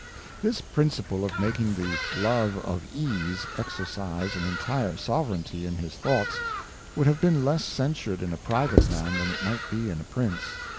This Principle of making the love of Ease exercise an entire Sovereignty in his Thoughts, would have been less censured in a private Man, than might be in a Prince.